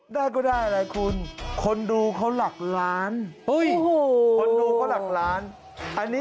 ได้ก็ได้ละคุณคนดูเขาหลักล้าน